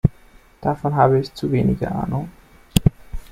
Davon habe ich zu wenige Ahnung.